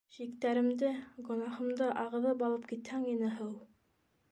«Шиктәремде... гонаһымды ағыҙып алып китһәң ине, һыу?!»